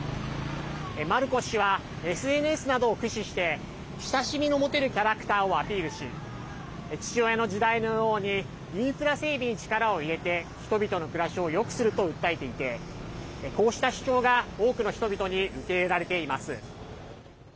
マルコス氏はＳＮＳなどを駆使して親しみの持てるキャラクターをアピールし父親の時代のようにインフラ整備に力を入れて人々の暮らしをよくすると訴えていてこうした主張が多くの人々に受け入れられています。